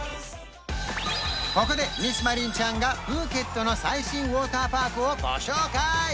ここでミスマリンちゃんがプーケットの最新ウォーターパークをご紹介！